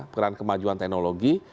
peran kemajuan teknologi